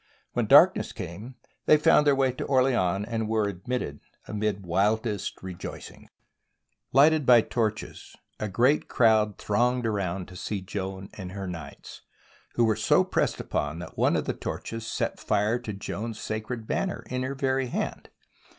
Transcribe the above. When darkness came, they found their way to Orleans, and were admitted amid wild est rejoicings. Lighted by torches, a great crowd thronged around to see Joan and her knights, who was so pressed upon that one of the torches set fire to Joan's sacred banner in her very hand.